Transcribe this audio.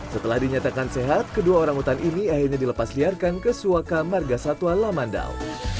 setelah dinyatakan sehat kedua orang utan ini akhirnya dilepasliarkan ke suaka margasatwa lamandal